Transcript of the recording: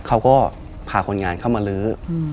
เขาก็พาคนงานเข้ามาลื้อ